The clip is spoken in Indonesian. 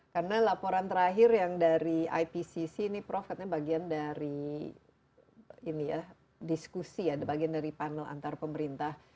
karena laporan terakhir yang dari ipcc ini prof katanya bagian dari diskusi bagian dari panel antar pemerintah